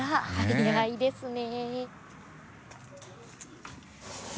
早いですね。